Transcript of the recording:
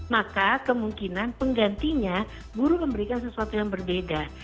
maka kemungkinan penggantinya guru memberikan sesuatu yang berbeda